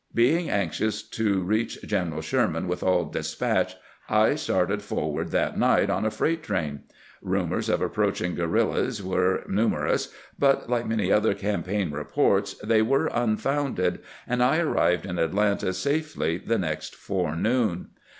Being anxious to reach General Sherman with all despatch, I started forward that night on a freight train. Rumors of approaching guerrillas were numer ous ; but, like many other campaign reports, they were unfounded, and I arrived in Atlanta safely the next fore noon.